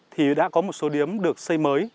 thì đã có một số điếm được xây mới